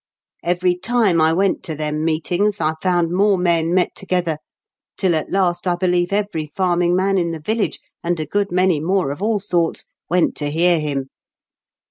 " Every time I went to them meetings I found more men met together, tiU at last I beKeve every farming man in the viUage, and a good many more of all sorts, went to hear him.